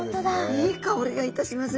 いい香りがいたします。